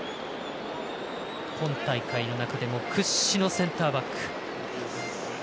今大会の中でも屈指のセンターバック。